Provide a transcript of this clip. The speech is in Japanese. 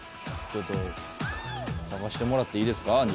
ちょっと探してもらっていいですか。